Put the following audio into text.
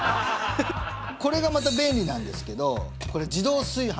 これがまた便利なんですけどこれ自動炊飯。